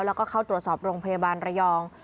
แล้วก็เข้าตรวจสอบโรงพยาบาลระยอง